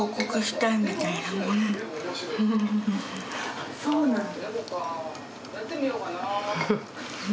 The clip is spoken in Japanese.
あっそうなんだ。